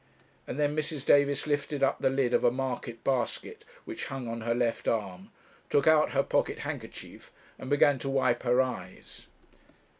And then Mrs. Davis lifted up the lid of a market basket which hung on her left arm, took out her pocket handkerchief, and began to wipe her eyes.